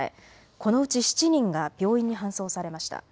このうち７人が病院に搬送されました。